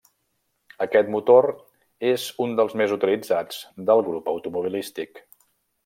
Aquest motor és un dels més utilitzats del grup automobilístic.